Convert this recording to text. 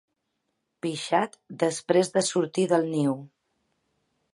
Pixat després de sortir del niu.